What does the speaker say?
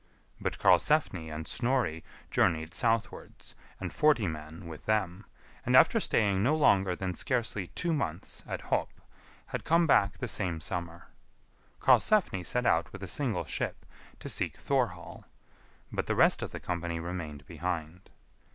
But Karlsefni and Snorri journeyed southwards, and forty men with them, and after staying no longer than scarcely two months at Hop, had come back the same summer. Karlsefni set out with a single ship to seek Thorhall, but the (rest of the) company remained behind.